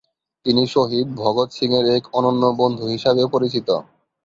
তিনি শহীদ ভগৎ সিংহের এক অনন্য বন্ধু হিসাবেও পরিচিত।